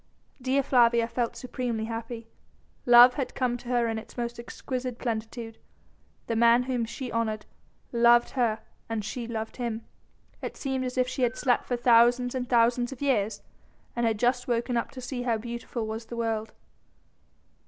Dea Flavia felt supremely happy. Love had come to her in its most exquisite plenitude; the man whom she honoured, loved her and she loved him. It seemed as if she had slept for thousands and thousands of years and had just woke up to see how beautiful was the world.